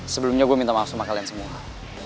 sebelumnya gue minta maaf sama kalian semua